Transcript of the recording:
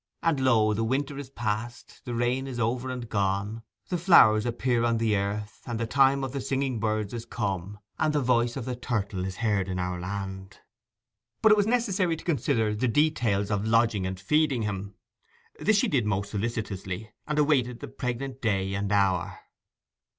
"And, lo, the winter is past, the rain is over and gone, the flowers appear on the earth, the time of the singing of birds is come, and the voice of the turtle is heard in our land." But it was necessary to consider the details of lodging and feeding him. This she did most solicitously, and awaited the pregnant day and hour.